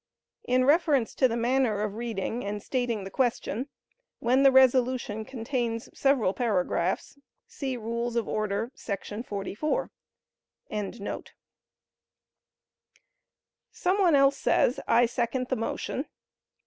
In reference to the manner of reading and stating the question, when the resolution contains several paragraphs, see Rules of Order, § 44.] some one else says, "I second the motion."